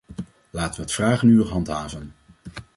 Laten we het vragenuur handhaven.